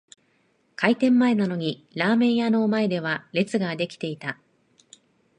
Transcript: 開店前なのにラーメン屋の前では列が出来ていた